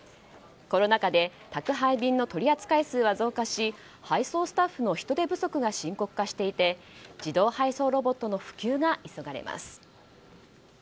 コロナ禍で宅配便の取扱数は増加し配送スタッフの人手不足が深刻化していて自動配送ロボットの普及が急がれます。